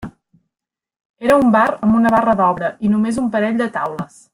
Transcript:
Era un bar amb una barra d'obra i només un parell de taules.